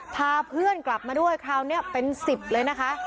พาเพื่อนกลับมาด้วยคราวนี้เป็น๑๐เลยนะคะ